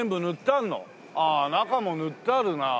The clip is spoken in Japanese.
ああ中も塗ってあるなあ。